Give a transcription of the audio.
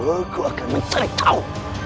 aku akan mencari tahu